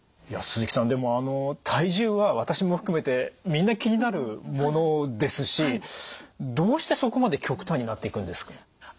いや鈴木さんでも体重は私も含めてみんな気になるものですしどうしてそこまで極端になっていくんですか？